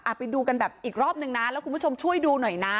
ไปดูกันแบบอีกรอบนึงนะแล้วคุณผู้ชมช่วยดูหน่อยนะ